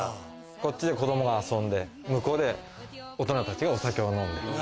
こっちで子供が遊んで向こうで大人たちがお酒を飲む。